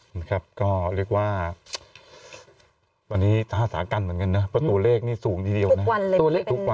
นะครับก็เรียกว่าวันนี้ท่าสากันเหมือนกันนะเพราะตัวเลขนี่สูงทีเดียวนะ